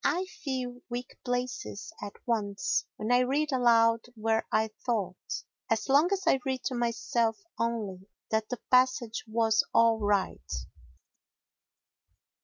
I feel weak places at once when I read aloud where I thought, as long as I read to myself only, that the passage was all right.